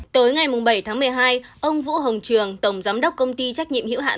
tối ngày bảy tháng một mươi hai ông vũ hồng trường tổng giám đốc công ty trách nhiệm hiệu hạn